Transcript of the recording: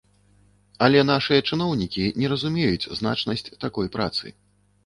Але нашыя чыноўнікі не разумеюць значнасць такой працы.